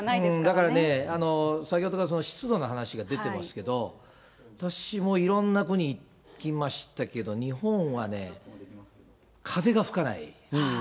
だからね、先ほどから湿度の話が出ていましたけれども、私もいろんな国行きましたけど、日本はね、風が吹かないです。